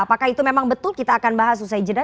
apakah itu memang betul kita akan bahas usai jeda